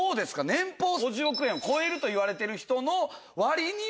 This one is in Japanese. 年俸５０億円を超えるといわれてる人の割には。